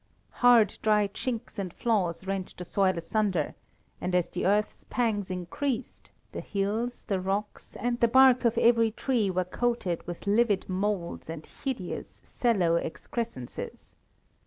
Hard, dry chinks and flaws rent the soil asunder, and as the earth's pangs increased, the hills, the rocks, and the bark of every tree were coated with livid moulds and hideous, sallow excrescences.